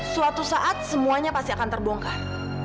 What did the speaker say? suatu saat semuanya pasti akan terbongkar